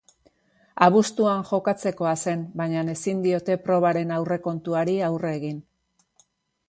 Abuztuan jokatzekoa zen, baina ezin diote probaren aurrekontuari aurre egin.